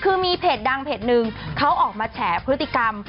คือมีเพจดังเพจหนึ่งเขาออกมาแฉพฤติกรรม